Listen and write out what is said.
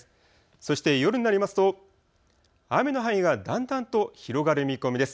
そして夜になりますと雨の範囲がだんだんと広がる見込みです。